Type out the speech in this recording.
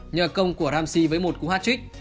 nhờ công của ramsey với một cú hat trick